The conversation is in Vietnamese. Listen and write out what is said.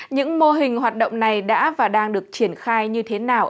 những mô hình hoạt động này đã và đang được triển khai như thế nào